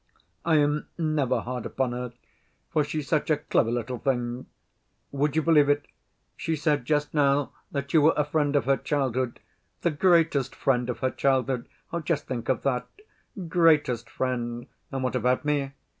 I am never hard upon her, for she's such a clever little thing. Would you believe it? She said just now that you were a friend of her childhood, 'the greatest friend of her childhood'—just think of that—'greatest friend'—and what about me?